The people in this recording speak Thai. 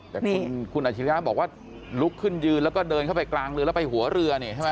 แต่คุณอาชิริยะบอกว่าลุกขึ้นยืนแล้วก็เดินเข้าไปกลางเรือแล้วไปหัวเรือนี่ใช่ไหม